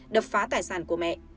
đập phá tài sản của mẹ